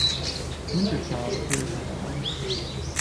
"Winter Child" appears on that album.